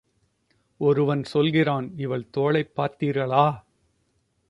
ஒருவன் சொல்கிறான் இவள் தோளைப் பார்த்தீர்களா!